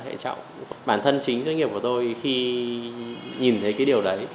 hệ trọng bản thân chính doanh nghiệp của tôi khi nhìn thấy cái điều đấy